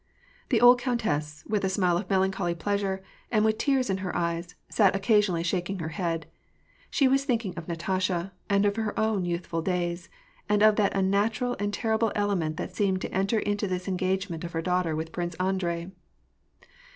The old countess, with a smile of melancholy pleasure, and with tears in her eyes, sat occasion ally shaking her head. She was thinking of Natasha, and of her own youthful days ; and of that unnatural and terrible element that seemed to enter into this engagement of her daughter with Prince Andrei.